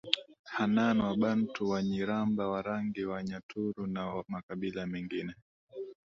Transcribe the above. Hanan Wabantu Wanyiramba Warangi Wanyaturu na makabila mengine